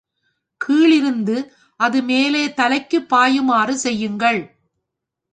கீழிருந்து அது மேலே தலைக்குப் பாயுமாறு செய்யுங்கள்.